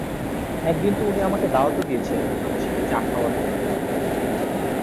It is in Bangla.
একদিন তো উনি আমাকে দাওয়াতও দিয়েছিলেন উনাদের সাথে চা খাওয়ার জন্য।